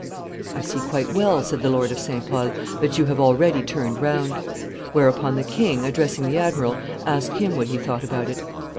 'I see quite well,' said the Lord of St. Pol, 'that you have already turned round.' Whereupon the king, addressing the admiral, asked him what he thought about it.